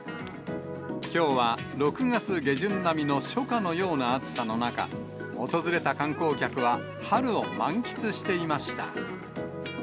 きょうは、６月下旬並みの初夏のような暑さの中、訪れた観光客は、春を満喫していました。